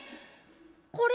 これ？